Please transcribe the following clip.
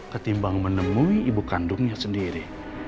ketimbang menemui ibu kandungnya sendiri